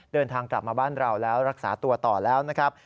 เดินทางกลับมาบ้านเราแล้วรักษาตัวต่อแล้วนะครับ